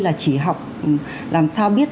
là chỉ học làm sao biết